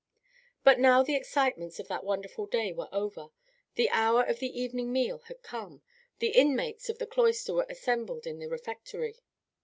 But now the excitements of that wonderful day were over; the hour of the evening meal had come; the inmates of the cloister were assembled in the refectory.